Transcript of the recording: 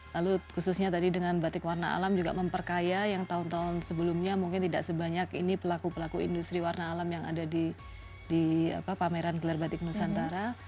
lalu khususnya tadi dengan batik warna alam juga memperkaya yang tahun tahun sebelumnya mungkin tidak sebanyak ini pelaku pelaku industri warna alam yang ada di pameran gelar batik nusantara